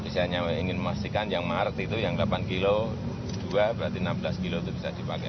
saya ingin memastikan yang maret itu yang delapan km dua km berarti enam belas km itu bisa dipakai